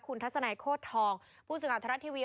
คุณทัศนายโค้ดทองผู้สึกกับทรัฐทีวี